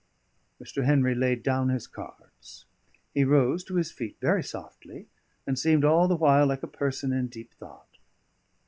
Mr. Henry laid down his cards. He rose to his feet very softly, and seemed all the while like a person in deep thought.